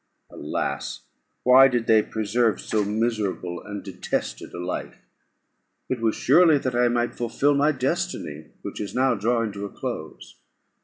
Alas! why did they preserve so miserable and detested a life? It was surely that I might fulfil my destiny, which is now drawing to a close.